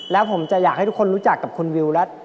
แล้วผมจะอยากให้ทุกคนรู้จักกับคุณวิวและ